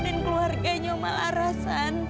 dan keluarganya om malaras